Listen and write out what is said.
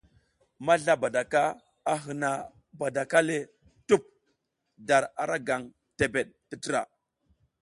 Mazlabadaka a hǝna badaka le tup dar ara gaŋ tebeɗ tǝtra.